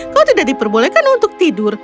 kau tidak diperbolehkan untuk tidur